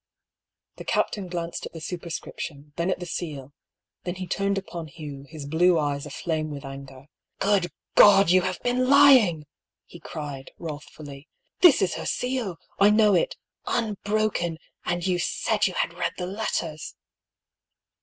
The captain glanced at the superscription, then at the seal; then he turned upon Hugh, his blue eyes aflame with anger. " Good God I you have been lying !" he cried, wrath fuUy. " This is her seal — I know it — unbroken, and you said you had read the letters